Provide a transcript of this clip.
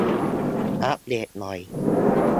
อัปเดตหน่อย